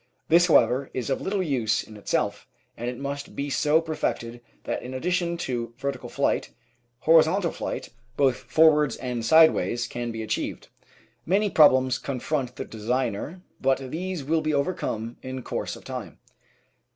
This, however, is of little use in itself, and it must be so perfected that in addition to vertical flight, horizontal flight both forwards and sideways can be achieved. Many prob lems confront the designer, but these will be overcome in course of time.